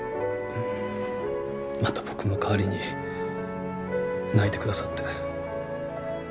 また僕の代わりに泣いてくださって。